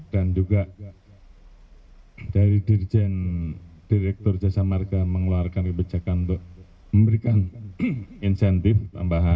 dan juga dari dirjen direktur jasa marga mengeluarkan kebijakan untuk memberikan insentif tambahan